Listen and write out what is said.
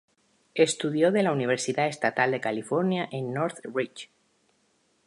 Estudió de la Universidad Estatal de California en Northridge.